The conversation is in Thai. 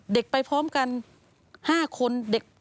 เด็กไปพร้อมกัน๕คน